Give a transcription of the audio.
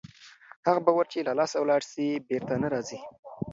هغه باور چې له لاسه ولاړ سي بېرته نه راځي.